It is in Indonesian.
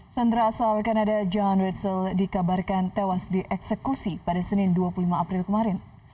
sandera asal kanada john ritzel dikabarkan tewas dieksekusi pada senin dua puluh lima april kemarin